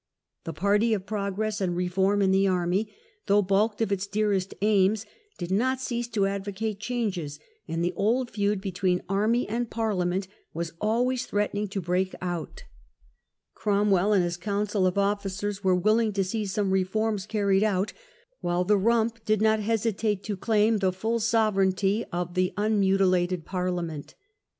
The party of progress and reform in the army, Renewed though baulked of its dearest aims, did not SSiSSferft cease to advocate changes; and the old feud and Army, between Army and Parliament was always threatening to break out Cromwell and his council of officers were willing to see some reforms carried out, while the " Rump" did not hesitate to claim the full sovereignty of the unmu tilated Parliament.